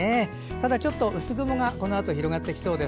ただ、ちょっと薄雲がこのあと、広がってきそうです。